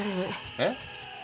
えっ？